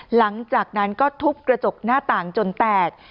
หลังจากนั้นก็ทุบกระจกหน้าต่างจนแตก